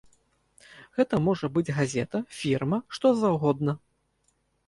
Гэта можа быць газета, фірма, што заўгодна.